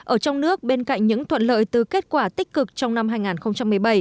ở trong nước bên cạnh những thuận lợi từ kết quả tích cực trong năm hai nghìn một mươi bảy